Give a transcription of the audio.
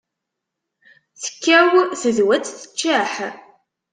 Tekkaw tedwat teččeḥ.